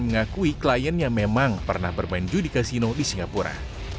mengakui kliennya memang pernah bermain judi kasino di singapura